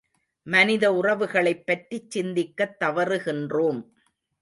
மனித உறவுகளைப் பற்றிச் சிந்திக்கத் தவறுகின்றோம்.